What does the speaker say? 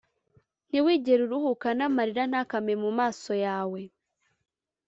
ntiwigere uruhuka, n’amarira ntakame mu maso yawe!